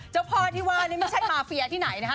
เจ้าพ่อที่ว่านี่ไม่ใช่มาเฟียที่ไหนนะคะ